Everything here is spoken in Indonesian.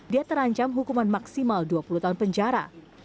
dia terancam hukuman maksimal dua puluh tahun penjara